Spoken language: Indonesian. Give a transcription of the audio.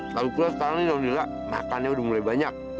lagipula sekarang ini nonila makannya udah mulai banyak